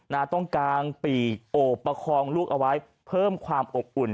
ต้องกางปีกโอบประคองลูกเอาไว้เพิ่มความอบอุ่น